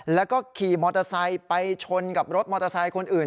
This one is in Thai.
แล้วก็ขี่มอเตอร์ไซค์ไปชนกับรถมอเตอร์ไซค์คนอื่น